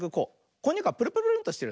こんにゃくはプルプルンとしてるね。